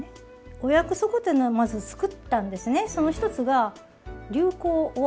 お約束というのをまず作ったんですね。